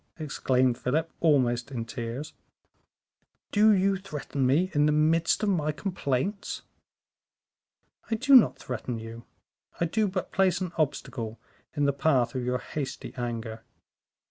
exclaimed Philip, almost in tears; "do you threaten me in the midst of my complaints?" "I do not threaten you; I do but place an obstacle in the path of your hasty anger.